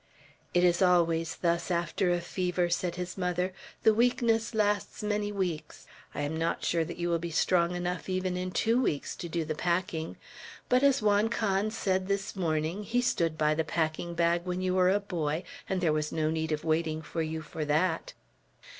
"It is always thus after a fever," said his mother. "The weakness lasts many weeks. I am not sure that you will be strong enough even in two weeks to do the packing; but, as Juan Can said this morning, he stood at the packing bag when you were a boy, and there was no need of waiting for you for that!"